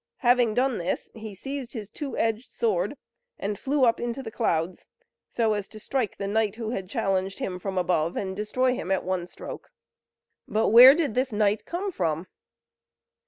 Having done this he seized his two edged sword, and flew up into the clouds, so as to strike the knight who had challenged him from above, and destroy him at one stroke. But where did this knight come from?